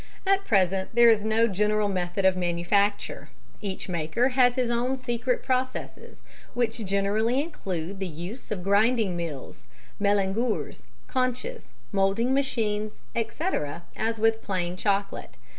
At present there is no general method of manufacture each maker has his own secret processes, which generally include the use of grinding mills, mélangeurs, conches, moulding machines, etc., as with plain chocolate.